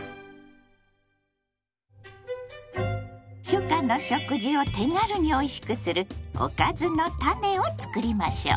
初夏の食事を手軽においしくする「おかずのタネ」を作りましょう。